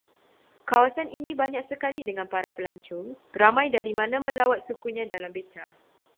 Kawasan ini banyak sekali dengan para pelancong, ramai dari mana melawat sukunya dalam beca